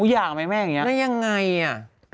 แล้วยังไงอ่ะ